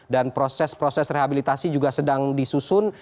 dan proses proses rehabilitasi juga sedang disusun